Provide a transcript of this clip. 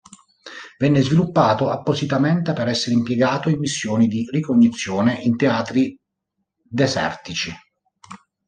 Venne sviluppato appositamente per essere impiegato in missioni di ricognizione in teatri desertici.